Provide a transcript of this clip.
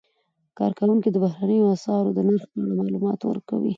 کارکوونکي د بهرنیو اسعارو د نرخ په اړه معلومات ورکوي.